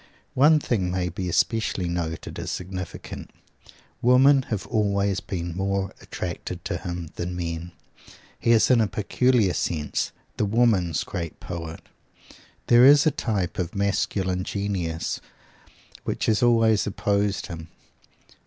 One thing may be especially noted as significant: Women have always been more attracted to him than men. He is in a peculiar sense the Woman's great poet. There is a type of masculine genius which has always opposed him.